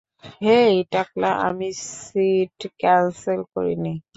হেই, টাকলা, আমি seat cancel করিনি।